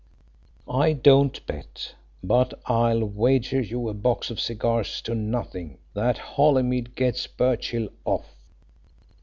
I don't bet, but I'll wager you a box of cigars to nothing that Holymead gets Birchill off."